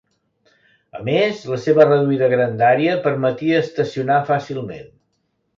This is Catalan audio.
A més, la seva reduïda grandària permetia estacionar fàcilment.